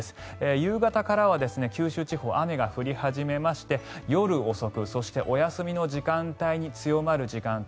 夕方からは九州地方で雨が降り始めまして夜遅くそして、お休みの時間帯に強まる時間帯